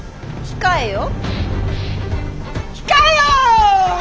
控えよ！